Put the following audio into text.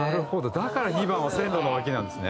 だから２番は「線路の脇」なんですね。